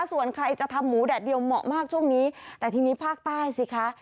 ส่วนใครจะทำหมูแดดเดียวเหมาะมากช่วงนี้แต่ทีนี้ภาคใต้สิคะ